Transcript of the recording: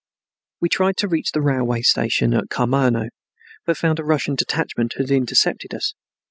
We tried to reach the railway station at Komarno but found a Russian detachment had intercepted us.